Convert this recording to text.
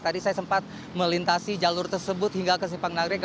tadi saya sempat melintasi jalur tersebut hingga ke simpang nagrek